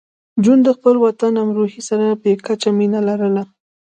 جون د خپل وطن امروهې سره بې کچه مینه لرله